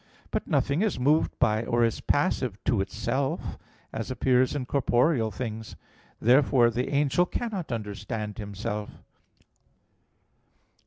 But nothing is moved by or is passive to itself; as appears in corporeal things. Therefore the angel cannot understand himself.